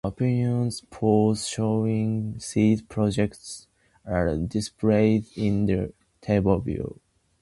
Opinion polls showing seat projections are displayed in the table below.